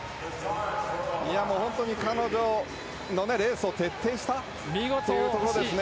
本当に彼女のレースを徹底したというところですね。